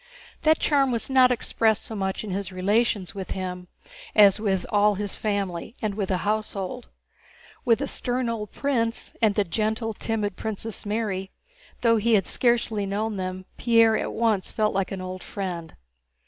That charm was not expressed so much in his relations with him as with all his family and with the household. With the stern old prince and the gentle, timid Princess Mary, though he had scarcely known them, Pierre at once felt like an old friend.